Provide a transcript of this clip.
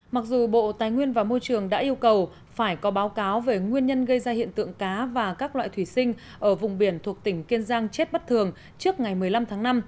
mặc dù bộ tài nguyên và môi trường đã yêu cầu phải có báo cáo về nguyên nhân gây ra hiện tượng cá và các loại thủy sinh ở vùng biển thuộc tỉnh kiên giang chết bất thường trước ngày một mươi năm tháng năm